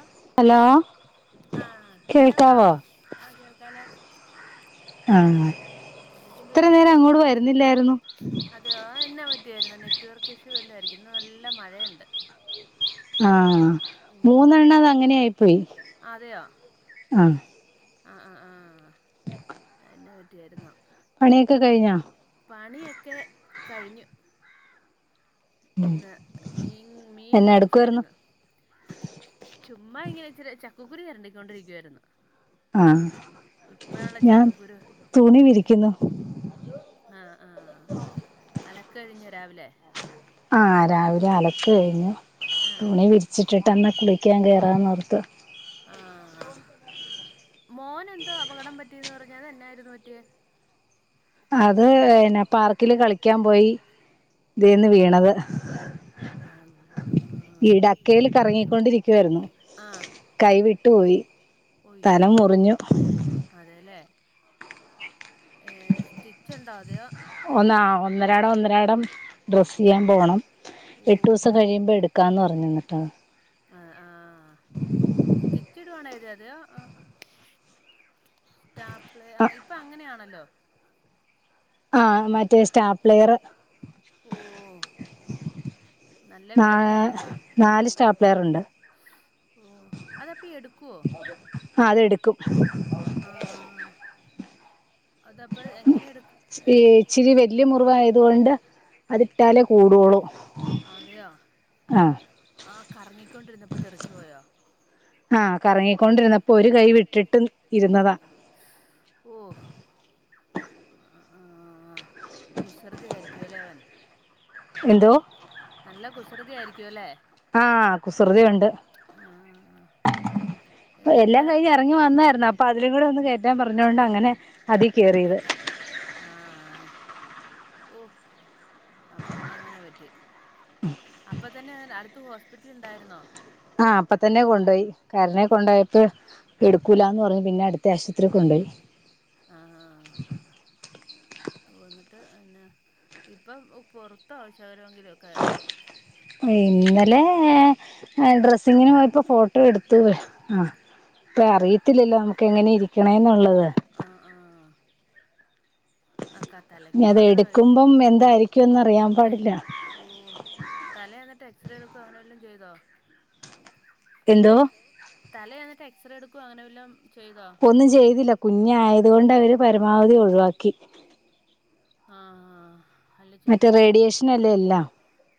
ആ ഹലോ ആഹ കേൾക്കാവോ ആഹ കേൾക്കാലോ ആഹ എന്തൊക്കെയുണ്ട് ഇത്ര നേരം വിശേഷം അങ്ങോട്ട് വരുന്നില്ലായിരുന്നു നെറ്റ്‌വർക്ക് ഇഷു വല്ലായിരിക്കും ഇന്ന് നല്ല മഴയുണ്ട് ആഹ ഉം മൂന്നെണ്ണം അത് അങ്ങനെയിപ്പോയി ആഹ ആഹ ആഹ് ആഹ് എന്നാ പറ്റിയായിരുന്നോ പണിയൊക്കെ കഴിഞ്ഞാ പണിയൊക്കെ കഴിഞ്ഞു ഇന്ന് മീൻ മീൻ എന്നാ എടുക്കുവായിരുന്നു മേടിച്ചായിരുന്നു ചുമ്മാ ഇങ്ങനെ ഇച്ചിരി ചക്കക്കുറി ചെരണ്ടിക്കൊണ്ടിരിക്കുവായിരുന്നു ആഹ് ഇപ്പഴാണോ ഞാൻ ചക്കക്കുരു തുണി വിരിക്കുന്നു ആഹ ആഹ അല്ല കഴിഞ്ഞു രാവിലെ ആഹ രാവിലെ അലക്ക് കഴിഞ്ഞു തുണി വിരിച്ചിട്ടിട്ടെന്നാ കുളിക്കാൻ കേറാന്നോർത്ത് ആ ആഹ മോൻ എന്തോ അപകടം പറ്റിന്ന് പറഞ്ഞ അതു എന്നായിരുന്നു പറ്റിയെ അത് പിന്നെ പർ വീണത് ഈ ഡക്കയിൽ കറങ്ങിക്കൊണ്ടിരിക്കുവായിരുന്നു ആ കൈ ആയി വിട്ടുപോയി തല മുറിഞ്ഞു അതെല്ലേ സ്റ്റിച്ച് ഉണ്ടാ അതെയ ഒന്നാ ഒന്നരാടം ഒന്നരാടം ഡ്രസ്സ് ചെയ്യാൻ പോണം എട്ടു ഓഹ് ദിവസം കഴിയുമ്പോ എടുക്കാന്ന് പറഞ്ഞുന്നിട്ടാണ് സ്ഥിച്ചിടുവാനോ അതെയ ആ ഇപ്പൊ അങ്ങനെയാണല്ലോ ആഹ് മറ്റ മറ്റേ സ്റ്റാപ്ലെയർ ഓഹ് നല്ല ന വേദനയായിരിക്കും നാല് സ്റ്റാപ്ലെയർണ്ട് ഓ അതപ്പ എടുക്കുവോ ആ അതെടുക്കും ആഹ അതപ്പ എങ്ങനെ എടു ഈ ഇച്ചിരി വലിയ മുറിവായതുകൊണ്ട് അതിട്ടാലേ കൂടുള്ളൂ അതെയാ ആ ആ കറങ്ങിക്കൊണ്ടിരുന്നപ്പോ തെറിച്ചു പോയോ ആ കറങ്ങിക്കൊണ്ടിരുന്നപ്പോ ഒരു കൈ വിട്ടിട്ട് ഇരുന്നതാ ഓ കുസൃതി ആയിരിക്കുവല്ലേ അവൻ എന്തോ നല്ല കുസ് സൃതി ആയിരിക്കും അല്ലേ? ആഹ് കുസൃതിയുണ്ട്. ആഹ് എല്ലാം എന്നിട്ട് കഴിഞ് എറങ്ങി വന്നായിരുന്ന് അപ്പ അതിലും കൂടെ ഒന്ന് കയറ്റം പറഞ്ഞൊണ്ട് അങ്ങനെ അതി കേറിയത് ആഹ്. ഓഹ്. അപ്പം അങ്ങനെ പറ്റി അപ്പ തന്നെ ആ അടുത്ത് ഹോസ്പിറ്റൽ ണ്ടായിരുന്നോ? ആഹ് അപ്പ തന്നെ കൊണ്ടോയി കര്ണെ കൊണ്ടോയപ്പോ എടുക്കൂലാന്ന് പറ പിന്നെ അടുത്ത ആശുത്രിക്ക് കൊണ്ടോയി. ആഹ് [unintelligible] ന്നിട്ട് ന്നെ ഇപ്പൊ പൊറുത്ത ശേക ഇന്നലെ ഡ്രസ് ഇങ്ങനെ പോയപ്പോ ഫോട്ടോ എടുത്തുപഷ് ആ ഇപ്പ അറിയത്തില്ലല്ലോ നമുക്ക് എങ്ങനെ ഇരിക്കണെന്നുള്ളത്. അക്ക തലക്ക് മാത്ര എടുക്കുമ്പം എന്തായിരിക്കുംന്ന് അറിയാൻ പാടില്ല ഓ തല എന്നിട്ട് എക്സറേ എടുക്കും അങ്ങനെവല്ലോം ചെയ്തോ? എന്തോ തലെ എന്നിട്ട് എ സ് റേ എടുക്കു അങ്ങനെല്ലാം ഒന്നും ചെയ്തില്ല കുഞ്ഞായത് കൊണ്ട് അവര് പരമാവധി ഒഴ് വാക്കി ആ അല്ല മറ്റേ ചെന്ന് റേഡിയേഷനല്ലേ എല്ലാം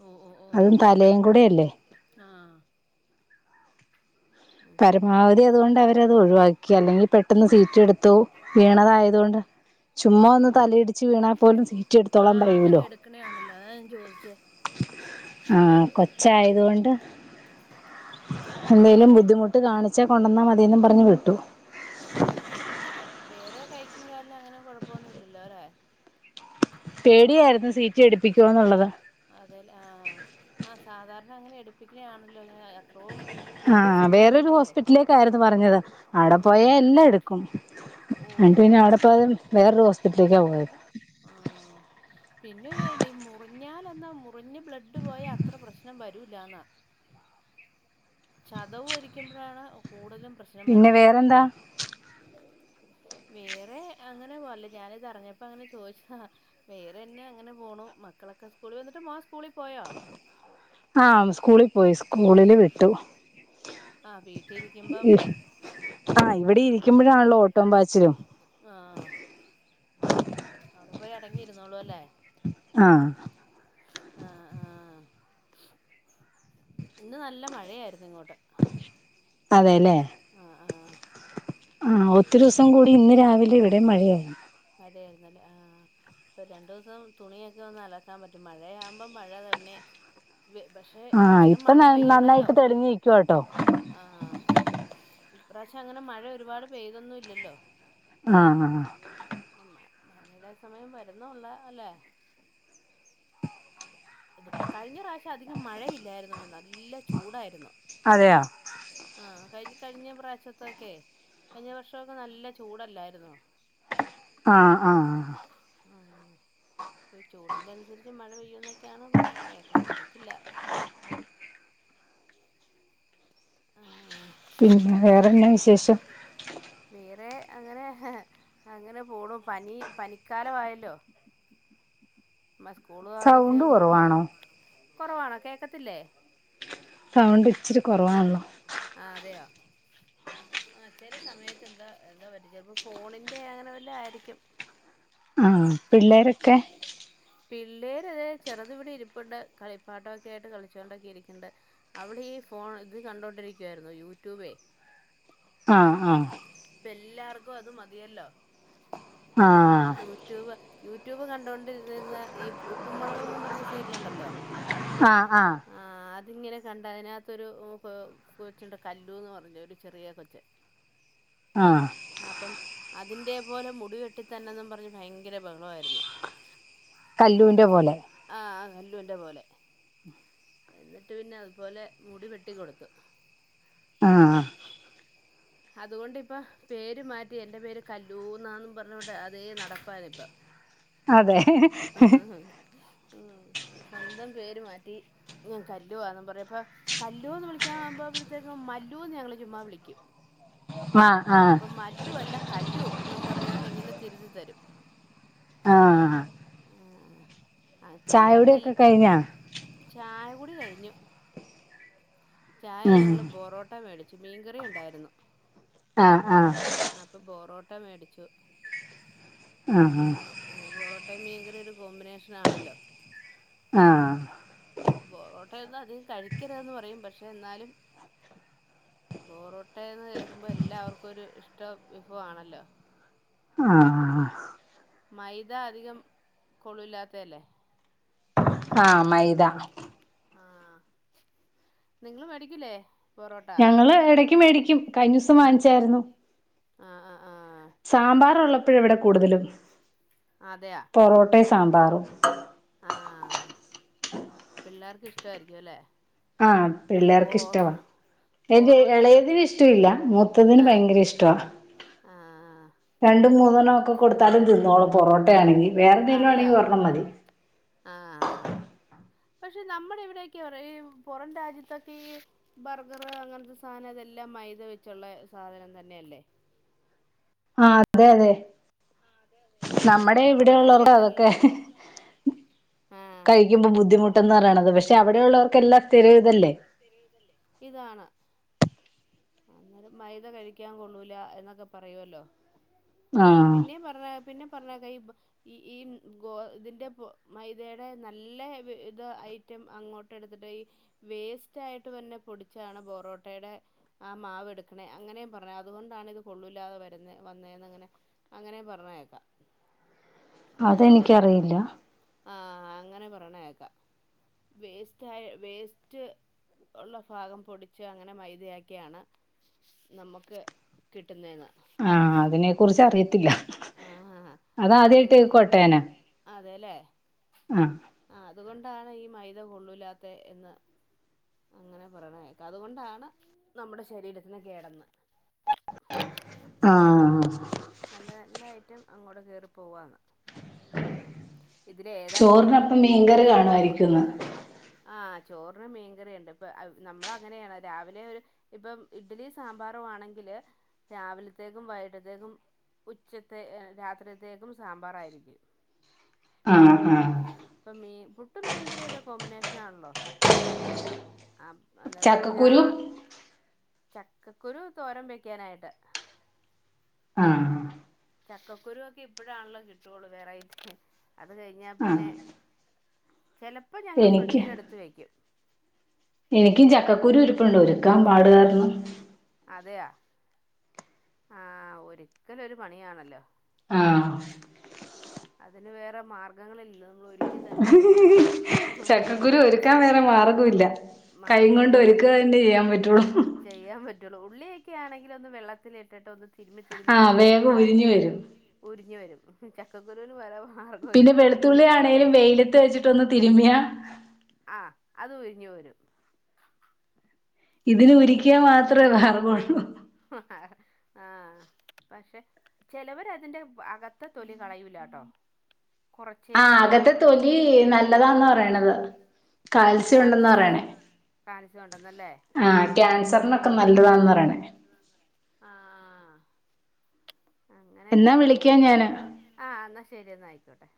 ഓ അതും തലയും കൂടെയല്ലെ ആഹ് പരമാവധി അത്കൊണ്ട് അവരത് ഒഴുവാക്കി അല്ലെങ്കി പെട്ടെന്ന് സീറ്റി എട്ത്തു വീണതായത്കൊണ്ട് ചു ആ ചുമ്മാ ആ ഒന്ന് തലയിടിച്ച് വീണാ പോലും സീറ്റി ആ എടുത്തോളാം അങ്ങനെ പറയൂലാേ എടുക്കണയാണല്ലോ അതാ ഞാൻ ചോദിച്ചേ ആഹ് കൊച്ചായത് കൊണ്ട് എന്തേലും വേറെ ബുദ്ധിമു ട്ട് കാണിച്ചെ കൊണ്ടെന്നാ മതീന്നും പറഞ്ഞ് വ്ട്ടു ആഹ് ആഹ് വേറെ കൈക്കും കാലിനും അങ്ങനെ കൊഴപ്പൊന്നുംല്ലല്ലോ അലേ? പേടിയായിരുന്നു പേടിയായിര്ന്നു സീറ്റ് സീറ്റി എടുപ്പിക്കുമോ എന്നുള്ളത് എടുപ്പിക്കുവാേന്ന്ള്ളത് അതേലേ ആഹ് ആ സാധാര് ണ അങ്ങനെ എട്പ്പിക്ക്ണെയാണല്ലോ അത് ആഹ് വേറാെരു ഹോസ്പിറ്റിലേക്കായ്ര്ന്നു പറഞ്ഞത് ആടെ ആ പോയ എല്ലാ എട്ക്കും ഓ എൻട്ട് പിന്നെ അവ്ടെ പോവാതെ വേറൊറ് ഹോസ്പിറ്റൽക്കാ പോയത് ആഹ് പിന്നെ വേണ്ടേ ഈ മുറിഞ്ഞാലൊന്നും മു റിഞ്ഞ് ബ്ലഡ് പോയാ അത്ര പ്രശ്നം വര് രൂലാന്നാ ചതവൊരിക്കുമ്പ്ഴാണ് ഔ പിന്നെ വേറെന്താ വേറെ അങ്ങനെ പോവല്ലേ ഞാനിതറിഞ്ഞപ്പോ അങ്ങനെ ചോദിച്ച വേറെ എന്നെ അങ്ങനെ പോണു മക്കളൊക്കെ സ്കൂളിൽ വന്നിട്ട് സ്കൂളിൽ പോയോ ആഹ് സ്കൂളിൽ പോയി സ്കൂളില് വിട്ടു ആഹ് വീട്ടിലിരിക്കുമ്പം ആഹ് ഇവിടെ ഇരിക്കുമ്പോഴാണല്ലോ ഓട്ടം പാച്ചിലും ആഹ് അവിടെ പോയി അടങ്ങിയിരുന്നോള്ളൂ അല്ലേ ആഹ് ആഹ് ആഹ് ഇന്ന് നല്ല മഴയായിരുന്നു ഇങ്ങോട്ട് അതെല്ലേ ആഹ് ആഹ് ആഹ് ഒത്തിരി ദിവസം കൂടി ഇന്ന് രാവിലെ ഇവിടെ മഴയായി മഴയായിരുന്നല്ലേ ആഹ് ഇപ്പൊ രണ്ടു ദിവസം തുണിയൊക്കെ ഒന്ന് അലക്കാൻ പറ്റും മഴയാകുമ്പോ മഴ തന്നെ വെ- പക്ഷെ ആഹ് ഇച്ചിരി ഇപ്പൊ മഴ ന പെയ്യണല്ലോ നന്നായിട്ട് തെളിഞ്ഞ നിക്കുവട്ടോ ആഹ് ഇപ്രാവശ്യം അങ്ങനെ മഴ ഒരുപാട് പെയ്തൊന്നും ഇല്ലല്ലോ ആഹ് പിന്നെ മ- മഴയുടെ സമയം വരുന്നൊള്ള അല്ലെ അതിപ്പോ കഴിഞ്ഞ പ്രാവശ്യം അധികം മഴ ഇല്ലായിരുന്നു എന്ന നല്ല ചൂടായിരുന്നു. അതെയ ആഹ് കഴിഞ്ഞ കഴിഞ്ഞ പ്രാവശ്യത്തൊക്കെ കഴിഞ്ഞ വർഷൊക്കെ നല്ല ചൂടല്ലായിരുന്നോ? ആഹ് ആഹ് ആഹ് ചൂടിന്റെ അൻസരിച്ച് മഴ പെയ്യോന്നൊക്കെ ക്ക്യാണ് പറേണെ കേക്ക്ണെ അറിയത്തില്ല. ആഹ് പിന്നെ വേറെന്നാ വിശേഷം? വേ അങ്ങനെ അങ്ങനെ പോണു പനി പനിക്കാലമായല്ലോ മ [unintelligible] സൗണ്ട് കൊറവാണോ? കൊറവാണോ കേക്കത്തില്ലേ? സൗണ്ട് ഇച്ചിരി കൊറവാണല്ലോ. ആഹ് അതെയോ ആ ചെല സമയത്ത് എന്താ എന്താ പറ്റി ചെലപ്പോ ഫോണിന്റെ അങ്ങനെ വല്ലോ ആയിരിക്കും. ആഹ് പിള്ളേരൊക്കെ പിള്ളേര് അത് ചെറുത് വിടി ഇരിപ്പിണ്ട് കളിപ്പാട്ടൊക്കെ ആയിട്ട് കളിച്ചോണ്ടൊക്കെ ഇരിക്കണ്ട് അവിടെ ഈ ഫോൺ ഇത് കണ്ടോണ്ടിരിക്കുവായിരുന്നു യൂട്യൂബേ ആഹ് ആഹ് ഇപ്പ എല്ലാർക്കും അത് മതിയല്ലോ ആഹ് യൂട്യൂബ് യൂട്യൂബ് കണ്ടുകൊണ്ടിരിരുന്ന ഈ ഉപ്പും മുളവും എന്നുംപറഞ്ഞ സീരിയലുണ്ടല്ലോ ആഹ് ആഹ് അതിങ്ങനെ കണ്ട അതിനകത്തൊരു കൊച്ചുണ്ട് കല്ലുന്ന് പറഞ്ഞു ഒരു ചെറിയ കൊച്ച് ആഹ് അപ്പം അതിന്റെ പോലെ മുടിവെട്ടി തന്നെന്നും പറഞ്ഞഞ് ഭയങ്കര ബഹളമായിരുന്നു കല്ലൂന്റെ എന്നിട്ട് പോലെ ആഹ് ൻ്റെ പോലെ എന്നിട്ട് പിന്നെ അതുപോലെ മുടി വെട്ടിക്കൊടുത്തു ആഹ് അതുകൊണ്ടിപ്പ പേര് മാറ്റി എന്റെ പേര് കല്ലൂന്നാന്ന് പറഞ്ഞോണ്ട് അതേ നടപ്പാനിപ്പ അതെ ഉം അതെ സ്വന്തം പേര് മാറ്റി ഞാൻ കല്ലുവാന്ന് പറയാ ഇപ്പ കല്ലു എന്ന് വിളിക്കാ ആവുമ്പളത്തേക്കും മല്ലൂന്ന് ഞങ്ങള് ചുമ്മാ വിളിക്കും ആഹ് ആഹ് അപ്പൊ മല്ലു അല്ല കല്ലു ഒന്നും പറഞ്ഞോൊണ്ട് എങ്ങനെ തിരുതി തരും ആഹ് ആ പിള്ളേർക്കല്ല ചായകുടിയൊക്കെ കഴിഞ്ഞാ ചായ കുടി കഴിഞ്ഞു ചായ ഉം ഞങ്ങള് ബൊറോട്ട മേടിച്ചു മീൻകറി ഉണ്ടായിരുന്നു ആഹ് ആഹ് ട്ട മേടിച്ചു ആഹ് ആഹ് ആ ബൊറോട്ടയും മീകറി ഒരു കോമ്പിനേഷൻ ആണല്ലോ ആഹ് പൊറോട്ട ഒന്നും അധികം കഴിക്കരുന്ന് പറയും പക്ഷെ പക്ഷെ എന്നാലും ബോറോട്ടന്ന് കേൾക്കുമ്പോൾ എല്ലാവർക്കും ഒരു ഇഷ്ട വിഭവമാണല്ലോ ആഹ് മൈദ അധികം കൊള്ളൂല്ലാത്തല്ലേ ആഹ് മൈദാ ആഹ് നിങ്ങള് മേടിക്കില്ലേ ഞങ്ങള് ഇടയ്ക്ക് മേടിക്കും കഴിഞ്ഞ ദിവസം വാങ്ങിച്ചായിരുന്നു ആ ആ ആ എപ്പോഴ വിടെ കൂടുതലും അതെയാ പൊറോട്ടേ സാംമ്പറും ആഹ് പിള്ളേർക്ക് ഇഷ്ട ആയിരിക്കുംല്ലെ ആഹ പിള്ളേർക്ക് ഇഷ്ടവാ എറെ ബോറോട്ടയ്ക്ക് ഇളയതിന് ഇഷ്ടമില്ല മൂത്തതിന് ആഹ് ഭയങ്കര ഇഷ്ടവാ ആഹ് രണ്ടും മൂന്നെണം ഒക്കെ കൊടുത്താലും തിന്നോളും. പൊറോട്ട ആണങ്കിൽ. വേറെന്തെങ്കിലും അതെയോ ആണെങ്കിൽ ഒരെണ്ണം മതി ആഹ് പക്ഷെ നമ്മുടെ ഇവിടെക്കെ ഈ പുറം രാജ്യത്തൊക്കെ ഈ ബർഗർ അങ്ങനത്തെ സാധനം ഇതെല്ലാം മൈദ വെച്ചുള്ള സാധനം തന്നെയല്ലേ ആ അതെ അതെ നമ്മുടെ ആഹ് ഇവിടെ അവരൊക്കെ ഉള്ളവർക്ക് അതല്ലേ അതൊക്കെ ആഹ് കഴിക്കുമ്പോ ബുദ്ധിമുട്ടന്ന് പറയണത് പക്ഷെ അവിടെ ഉുള്ളവർക്കെല്ലാം സ്ഥിര ഇതല്ലേ. ഇതാണ് അന്നേരം മൈദ കഴിക്കാൻ കൊള്ളൂല എന്നൊക്കെ പറയോല്ലോ. ആഹ് പിന്നെ പറഞ്ഞ പിന്നെ പറഞ്ഞേക്കാം ഇപ്പോ ഈ ഈ ഗോ ഇതിന്റെ മൈദയുടെ നല്ല ഇത് ഐറ്റം അങ്ങോട്ട് എടുത്തിട്ട് ഈ വേസ്റ്റ് ആയിട്ട് തന്നെ പൊടിച്ചാണ് പോറോട്ടയുടെ ആ മാവ്എടുക്കണേ അങ്ങനെയും പറഞ്ഞ അതുകൊണ്ടാണ് ഇത് കൊള്ളൂല്ലാതെ വരുന്ന വന്നെന്ന് അങ്ങനെ പറീനേക്കാം. അതെനിക്കറിയില്ല. ആ അങ്ങനെ പറണേക്കാം വേസ്റ്റ് വേസ്റ്റ് ഉള്ള ഭാഗം പൊടിച്ച് അങ്ങനെ മൈദയാക്കിയാണ് നമുക്ക് കിട്ടുന്നതെന്ന്. ആ അതിനെ കുറിച്ച് അറിയത്തില്ല. ആ അതാ ആദ്യമായിട്ട് കേൾക്കാട്ടോ ഞാന്. അതെല്ലെ ആഹ് അതുകൊണ്ടാണ് ഈ മൈദ കൊള്ളില്ലാത്ത എന്ന് അങ്ങനെ പറണ കേക്ക അതുകൊണ്ടാണ് നമ്മുടെ ശരീരത്തിനന് കേടന്ന്. ആഹ് നല്ല നല്ല ഐറ്റം അങ്ങോട്ട് കേയറി പോവാന്ന്. ഏതാ ഇപ്പൊ ചോറിനപ്പം മീൻ ഏത് കറി ഫുഡാ കാണുമായിരിക്കും ഇന്ന്. ആ ചോറിന് മീൻകറിയുണ്ട് ഇപ്പൊ നമ്മള അങ്ങനെയാണ് രാവിലെ ഒരു ഇപ്പം ഇഡ്ലി സാമ്പാറ ആണെങ്കില് രാവിലത്തേക്കും വൈകട്ടത്തേക്കും ഉച്ചത്തെ രാത്രിത്തേക്കും സാമ്പാറ ആയിരിക്കും. ആ ആഹ് മീൻ പുട്ടും മീൻകറിയൊക്കെ കോമ്പിനേഷനാണല്ലോ ആ അന്നേരം ചക്കക്കുരു രാവിലെ ചക്കക്കുരു തോരം വെക്കാനായിട്ട് ആഹ് ചക്കക്കുരുക്കെ ഇപ്പഴാണല്ലോ കിട്ടുള്ളൂ വെറൈറ്റി അത് കഴിഞ്ഞാ ആഹ് പിന്നെ. ചിലപ്പോൾ ഞങ്ങൾ എനിക്ക് ഫ്രിഡ്ജിലെ എടുത്ത് വയ്ക്കും എനിക്കും ചക്കക്കുരു ഇരുപ്പുണ്ട് ഒരുക്കാൻ പാടുകാരണം. അതെയാ ആ ഒരുക്കൽ ഒരു പണിയാണല്ലോ? ആഹ് അതിന് വേറെ മാർഗങ്ങൾ ഇല്ലല്ലോ നമ്മൾ ഒരുക്കി തന്നെ എടുക്കണല്ലോ. ചക്കക്കുരു ഒരുക്കാൻ വേറെ മാർഗ ഇല്ല കൈ മാർഗമില്ല കൊണ്ട് ഇപ്പൊ ഒരുക്കുക തന്നെ ചെയ്യാൻ പറ്റുള്ളു. ചെയ്യാൻ പറ്റുള്ളൂ ഉള്ളിയൊക്കെ ആണെങ്കിൽ ഒന്ന് വെള്ളത്തില ഇട്ടിട്ട് ഒന്ന് തിരുമ്മി തിരുമ്മി ആഹ് എടുത്തുന്ന വേഗം ഉരിഞ്ഞു ഇതാക്കികളെ വരും ഉരിഞ്ഞു വരും. ഉച്ചാ ക്കക്കുരുന് വരവാ പിന്നെ വെളുത്തുള്ളി ആണേലും വെയ്ലത്ത് വെച്ചിട്ടൊന്ന് തിരിമ്മ്യാ ആ അത് ഉരിഞ്ഞു വരും ഇതിലു ഉരിക്ക്യാ മാത്രേ മാർഗൊള്ളൂ. ആഹ് പക്ഷെ ചെലവര് അതിൻ്റെ അകത്തെ തൊലി കളയൂലാട്ടോ. കൊറച്ചേ ആഹ് അകത്തെ കളയോളൂ തൊലി നല്ലതാന്നാ പറ്യണത്. കാൽസ്യം ക്യാൻസ് ഉണ്ടെന്നാ പറയണേ കാൻസർ ഉണ്ടെന്നല്ലേ ആഹ് ക്യാൻസറിനൊക്കെ നല്ലതാണെന്നാ പറയണേ [unintelligible] ആഹ് ആഹ് ആഹ് അങ്ങനെ എന്നാ ഒക്കെ വിളിക്കാം ഇരിക്കണ് ഞാന് ആഹ് എന്നാ ശരിയന്നാ ആയിക്കോട്ടെ